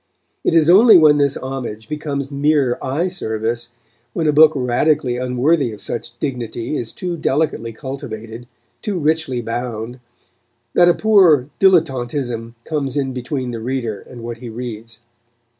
It is only when this homage becomes mere eye service, when a book radically unworthy of such dignity is too delicately cultivated, too richly bound, that a poor dilettantism comes in between the reader and what he reads.